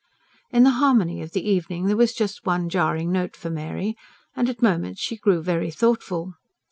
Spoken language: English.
In the harmony of the evening there was just one jarring note for Mary; and at moments she grew very thoughtful.